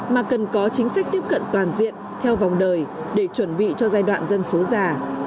mà cần có chính sách tiếp cận toàn diện theo vòng đời để chuẩn bị cho giai đoạn dân số già